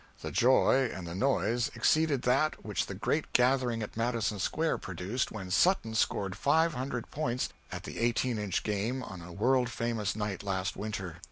The joy and the noise exceeded that which the great gathering at Madison Square produced when Sutton scored five hundred points at the eighteen inch game, on a world famous night last winter.